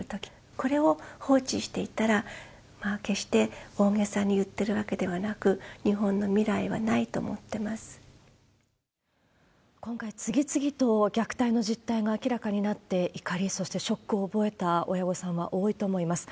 これを放置していたら、決して大げさに言ってるわけではなく、日本の未来はないと思って今回、次々と虐待の実態が明らかになって、怒り、そしてショックを覚えた親御さんは多いと思います。